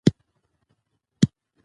موږ اولاد د مبارک یو موږ سیدان یو